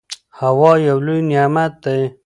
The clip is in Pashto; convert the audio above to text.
هوا یو لوی نعمت دی.